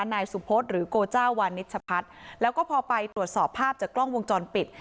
นายสุพศหรือโกเจ้าวานิชพัฒน์แล้วก็พอไปตรวจสอบภาพจากกล้องวงจรปิด